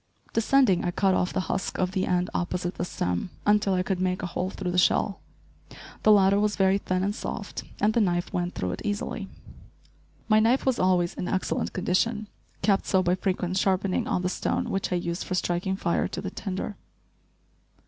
Descending, I cut off the husk of the end opposite the stem, until I could make a hole through the shell. The latter was very thin and soft, and the knife went through it easily. My knife was always in excellent condition, kept so by frequent sharpening on the stone which I used for striking fire to the tinder.